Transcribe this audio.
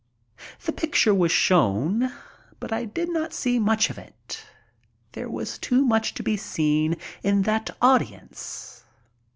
The picture was shown, but I did not see much of it. There was too much to be seen in that audience.